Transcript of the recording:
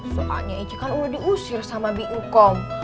soalnya ije kan udah diusir sama bincom